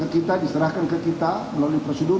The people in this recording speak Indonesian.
kita diserahkan ke kita melalui prosedur